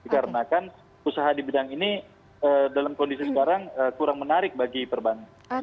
karena kan usaha di bidang ini dalam kondisi sekarang kurang menarik bagi perbankan